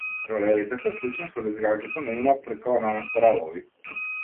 Ролерите се слични со лизгалките, но имаат тркала наместо рабови.